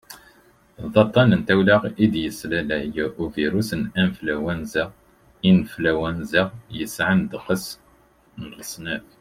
d aṭṭan n tawla i d-yeslalay ubirus n anflwanza influenza yesɛan ddeqs n leṣnaf